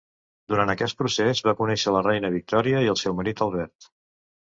Durant aquest procés, va conèixer la reina Victòria i el seu marit Albert.